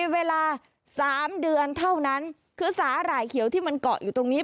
เวลาสามเดือนเท่านั้นคือสาหร่ายเขียวที่มันเกาะอยู่ตรงนี้